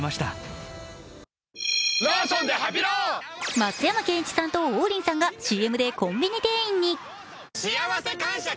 松山ケンイチさんと王林さんがＣＭでコンビニ店員に。